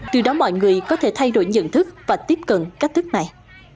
từ đó mọi người có thể thay đổi nhận thức và tiếp cận cách thức này